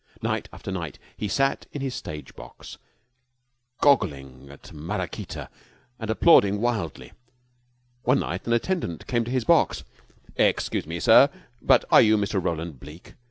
Night after night he sat in his stage box, goggling at Maraquita and applauding wildly. One night an attendant came to his box. "Excuse me, sir, but are you Mr. Roland Bleke?